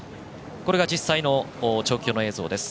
実際の調教の映像です。